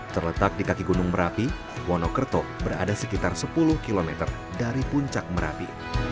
terletak di kaki gunung merapi wonokerto berada sekitar sepuluh km dari puncak merapi